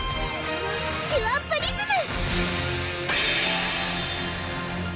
キュアプリズム！